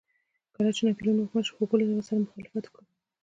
کله چې ناپلیون واکمن شو هوګو له هغه سره مخالفت وکړ.